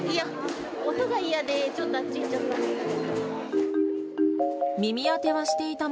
音が嫌で、ちょっとあっちに行っちゃった。